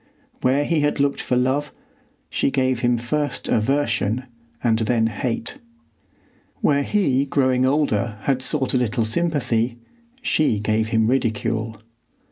Where he had looked for love, she gave him first aversion and then hate. Where he growing older had sought a little sympathy, she gave him ridicule.